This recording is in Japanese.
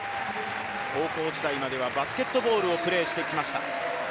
高校時代まではバスケットボールをプレーしてきました。